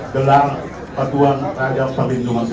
kemudian kepada bapak bapak dan raja raja